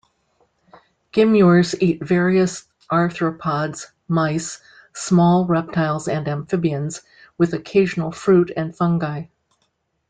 Gymnures eat various arthropods, mice, small reptiles and amphibians, with occasional fruit and fungi.